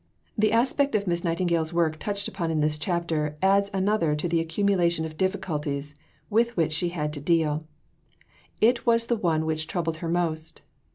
The aspect of Miss Nightingale's work, touched upon in this chapter, adds another to the accumulation of difficulties with which she had to deal. It was the one which troubled her most.